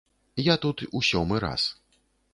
Я тут у сёмы раз.